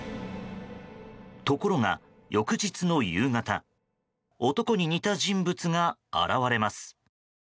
ところが翌日の夕方男に似た人物が現れます。